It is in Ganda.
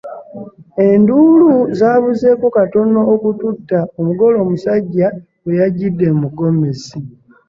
Enduulu zaabuzeeko katono okututta omugole omusajja bwe yajjidde mu gomesi.